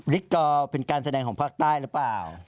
กอร์เป็นการแสดงของภาคใต้หรือเปล่า